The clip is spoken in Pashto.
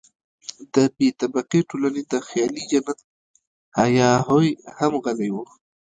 د بې طبقې ټولنې د خیالي جنت هیا هوی هم غلی وو.